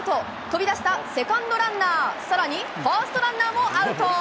飛び出したセカンドランナー、さらにファーストランナーもアウト。